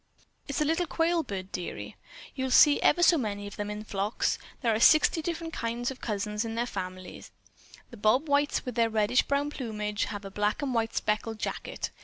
It's a little quail bird, dearie. You'll see ever so many of them in flocks. There are sixty different kinds of cousins in their family. The Bob Whites with their reddish brown plumage have a black and white speckled jacket.